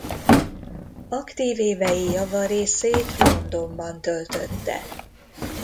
Aktív évei java részét Londonban töltötte.